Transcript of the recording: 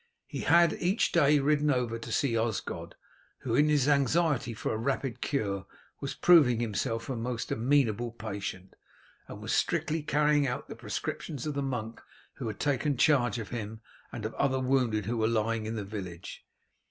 He had each day ridden over to see Osgod, who in his anxiety for a rapid cure was proving himself a most amenable patient, and was strictly carrying out the prescriptions of the monk who had taken charge of him and of other wounded who were lying in the village.